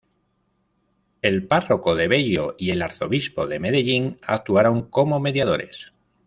El párroco de Bello y el arzobispo de Medellín actuaron como mediadores.